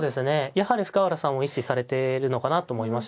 やはり深浦さんも意識されてるのかなと思いましたね。